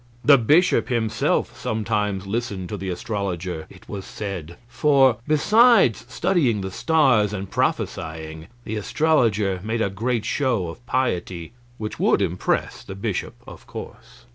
The bishop himself sometimes listened to the astrologer, it was said, for, besides studying the stars and prophesying, the astrologer made a great show of piety, which would impress the bishop, of course.